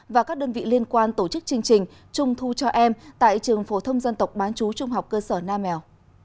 và các đơn vị liên quan tổ chức chương trình trung thu cho em tại trường phổ thông dân tộc bán chú trung học cơ sở nam mèo